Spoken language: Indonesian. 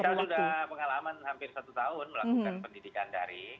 kita sudah pengalaman hampir satu tahun melakukan pendidikan daring